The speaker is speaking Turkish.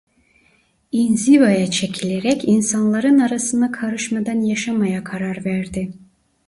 İnzivaya çekilerek insanların arasına karışmadan yaşamaya karar verdi.